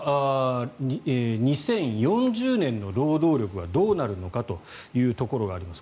２０４０年の労働力はどうなるのかというところがあります。